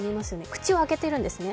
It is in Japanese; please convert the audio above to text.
口を開けているんですね。